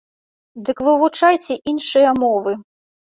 Дык вывучайце іншыя мовы!